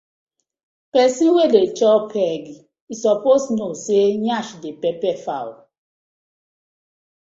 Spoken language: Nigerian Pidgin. Pesin wey dey chop egg e suppose kno say yansh dey pepper fowl.